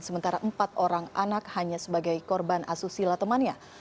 sementara empat orang anak hanya sebagai korban asusila temannya